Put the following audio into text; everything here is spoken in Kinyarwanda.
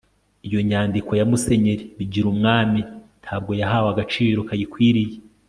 iyo nyandiko ya musenyeri bigirumwami ntabwo yahawe agaciro kayikwiriye